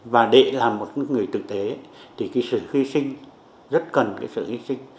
và để làm một người thực tế thì cái sự hy sinh rất cần cái sự hy sinh